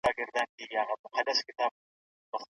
کنې ولاړو له بارانه؛ تر ناوې لاندي مو شپه ده